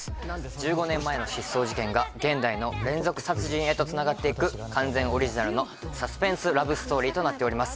１５年前の失踪事件が現代の連続殺人へとつながっていく完全オリジナルのサスペンスラブストーリーとなっております